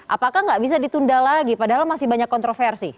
apakah nggak bisa ditunda lagi padahal masih banyak kontroversi